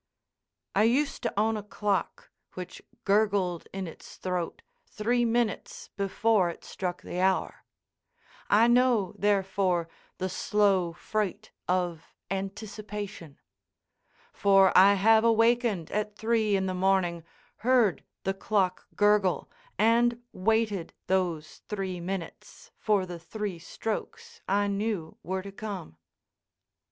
I used to own a clock which gurgled in its throat three minutes before it struck the hour. I know, therefore, the slow freight of Anticipation. For I have awakened at three in the morning, heard the clock gurgle, and waited those three minutes for the three strokes I knew were to come.